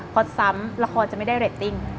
พอซ้ำละครจะไม่ได้เรตติ้ง